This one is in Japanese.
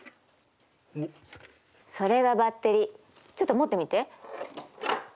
それがバッテリーちょっと持ってみて。